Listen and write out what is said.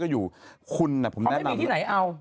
คุณน่ะผมแนะนำคุณไม่มีที่ไหนเอา